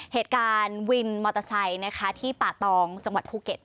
เหตุการณ์วินมอเตอร์ไซค์ที่ป่าตองจังหวัดภูเก็ต